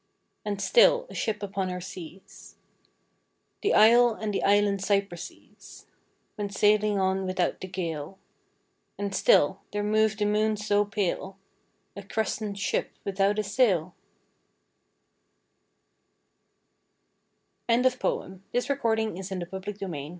And still, a ship upon her seas. The isle and the island cypresses Went sailing on without the gale : And still there moved the moon so pale, A crescent ship without a sail ' I7S Oak and Olive \ Though I was born a L